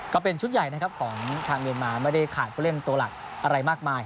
ก็เป็นชุดใหญ่นะครับของทางเมียนมาไม่ได้ขาดผู้เล่นตัวหลักอะไรมากมาย